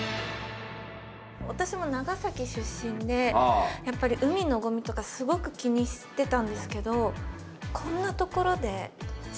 私も長崎出身でやっぱり海のごみとかすごく気にしてたんですけどホントに。